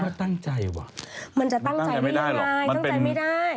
มันจะตั้งใจไม่ได้หรอกตั้งใจไม่ได้